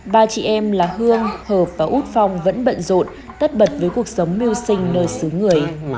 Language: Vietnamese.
ba chị em là hương hợp và út phong vẫn bận rộn tất bật với cuộc sống mưu sinh nơi xứ người